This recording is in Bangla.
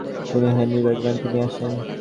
তিনি হেনরি বার্গম্যানকে নিয়ে আসেন।